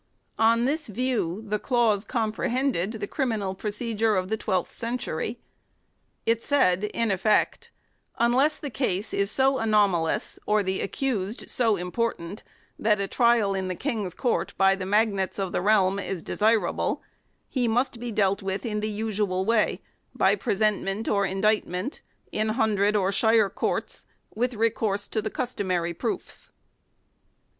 On this view the clause comprehended the criminal procedure of the twelfth century. It said in effect :" Unless the case is so anomalous or the accused so important that a trial in the King's Court by the magnates of the realm is desirable, he must be dealt with in the usual way, by presentment or indictment, in hundred or shire courts with recourse to the customary proofs